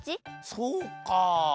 そうか。